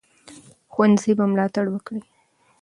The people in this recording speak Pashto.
ښوونځي به ملاتړ وکړي.